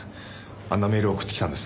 あんなメールを送ってきたんです。